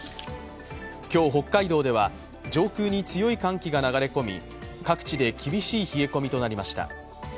今日、北海道では上空に強い寒気が流れ込み、各地で厳しい冷え込みとなりました。